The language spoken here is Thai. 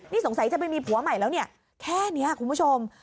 นี่สงสัยจะไปมีผัวใหม่แล้วเนี่ยแค่นี้คุณผู้ชม